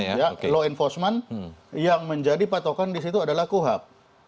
penegakan hukum ya law enforcement yang menjadi patokan di situ adalah kohak